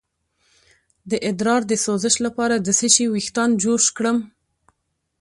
د ادرار د سوزش لپاره د څه شي ویښتان جوش کړم؟